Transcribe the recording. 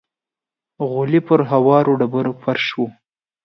غولی پر هوارو ډبرو فرش و.